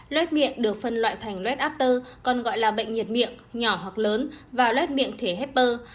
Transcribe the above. lết miệng được phân loại thành lết after còn gọi là bệnh nhiệt miệng nhỏ hoặc lớn và lết miệng thể hepper